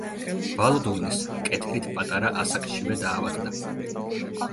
ბალდუინს კეთრით პატარა ასაკშივე დაავადდა.